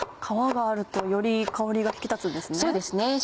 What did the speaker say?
皮があるとより香りが引き立つんですね。